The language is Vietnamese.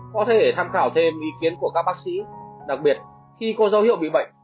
có thể tham khảo thêm ý kiến của các bác sĩ đặc biệt khi có dấu hiệu bị bệnh